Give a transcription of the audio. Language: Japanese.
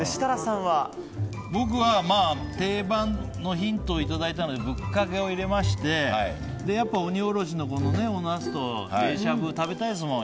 僕は定番のヒントをいただいたのでぶっかけを入れましてやっぱり、鬼おろしのおナスと冷しゃぶは食べたいですもん。